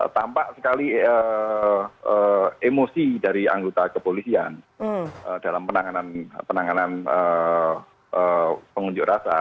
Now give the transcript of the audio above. tampak sekali emosi dari anggota kepolisian dalam penanganan pengunjuk rasa